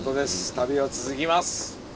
旅は続きます。